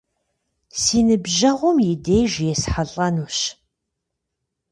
Си ныбжьэгъум и деж есхьэлӀэнущ.